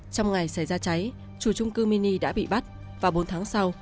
trong ngày xảy ra cháy chủ trung cư mini đã bị bắt vào bốn tháng sau